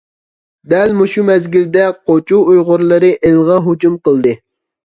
دەل مۇشۇ مەزگىلدە قوچۇ ئۇيغۇرلىرى ئىلىغا ھۇجۇم قىلدى.